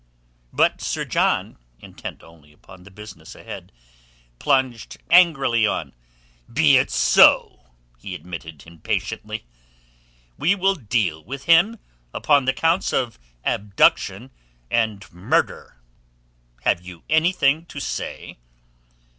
But Sir John, intent only upon the business ahead, plunged angrily on. "Be it so," he admitted impatiently. "We will deal with him upon the counts of abduction and murder. Have you anything to say?"